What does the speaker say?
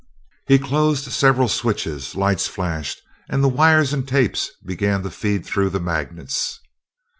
He closed several switches, lights flashed, and the wires and tapes began to feed through the magnets.